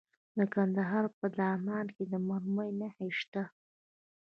د کندهار په دامان کې د مرمرو نښې شته.